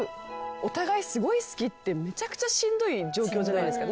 お互いすごい好きってめちゃくちゃしんどい状況じゃないですか。